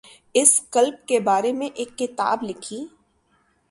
اس club کے بارے میں ایک کتاب لکھی